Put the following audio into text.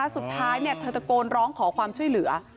สุดท้ายเธอตะโกนร้องขอความช่วยเหลือ